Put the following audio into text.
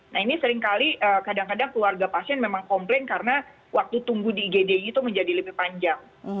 nah ini seringkali kadang kadang keluarga pasien memang komplain karena waktu tunggu di igd itu menjadi lebih panjang